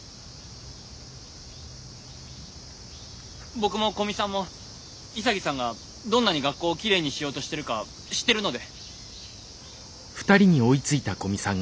僕も古見さんも潔さんがどんなに学校をきれいにしようとしてるか知ってるので。